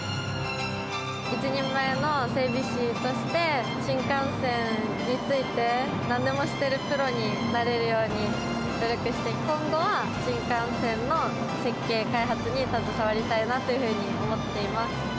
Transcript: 一人前の整備士として、新幹線について、なんでも知ってるプロになれるように努力して、今後は新幹線の設計開発に携わりたいなというふうに思っています。